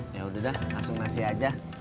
ya udah langsung nasi aja